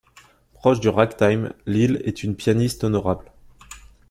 Proche du ragtime, Lil est une pianiste honorable.